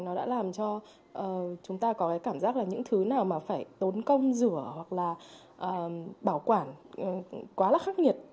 nó đã làm cho chúng ta có cái cảm giác là những thứ nào mà phải tốn công rửa hoặc là bảo quản quá là khắc nghiệt